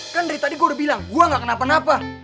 kan dari tadi gue udah bilang gue gak kenapa napa